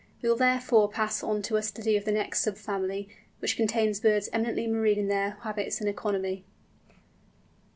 We will, therefore, pass on to a study of the next sub family, which contains birds eminently marine in their habits and economy.